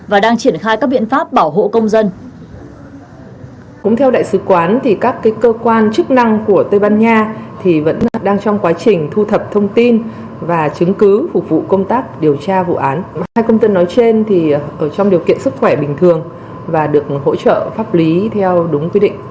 và đang triển khai các biện pháp bảo hộ công dân